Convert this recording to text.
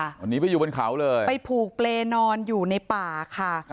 วันนี้ไปอยู่บนเขาเลยไปผูกเปรย์นอนอยู่ในป่าค่ะ